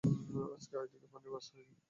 আজ কি এদিকে পানির ব্যাবস্থা আছে?